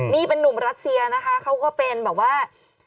นี่เป็นนุ่มรัสเซียนะคะเขาก็เป็นแบบว่า